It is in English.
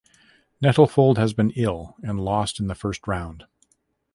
Nettlefold had been ill and lost in the first round.